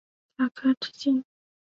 甲壳直径。